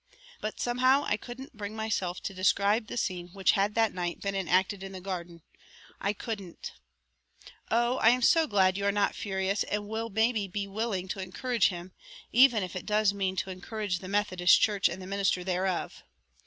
But somehow I couldn't bring myself to describe the scene which had that night been enacted in the garden I couldn't. "Oh, I am so glad you are not furious and will maybe be willing to encourage him, even if it does mean to encourage the Methodist Church and the minister thereof.